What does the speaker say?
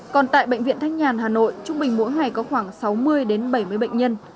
còn tại bệnh viện thanh nhàn hà nội trung bình mỗi ngày có khoảng sáu mươi đến bảy mươi bệnh nhân